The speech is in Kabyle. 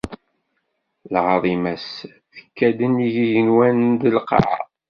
Lɛaḍima-s tekka-d nnig yigenwan d lqaɛa.